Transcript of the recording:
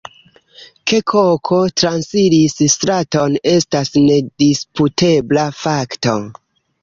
Ke koko transiris straton estas nedisputebla fakto.